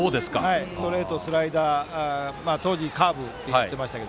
ストレート、スライダー当時、カーブと言ってましたが。